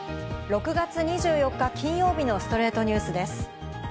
６月２４日、金曜日の『ストレイトニュース』です。